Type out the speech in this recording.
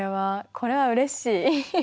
これはうれしい！